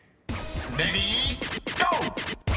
［レディーゴー！］